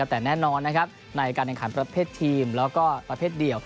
แต่แน่นอนในการแข่งขันประเภททีมและประเภทเดี่ยว